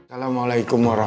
assalamualaikum wr wb